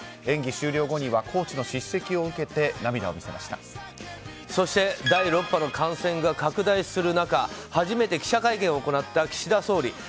演技終了後にはコーチの叱責を受けてそして第６波の感染が拡大する中初めて記者会見を行った岸田総理。